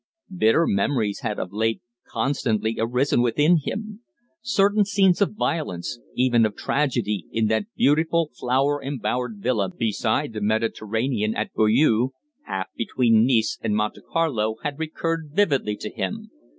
Bitter memories had, of late, constantly arisen within him. Certain scenes of violence, even of tragedy, in that beautiful flower embowered villa beside the Mediterranean at Beaulieu, half way between Nice and Monte Carlo, had recurred vividly to him.